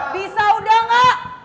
bisa udah gak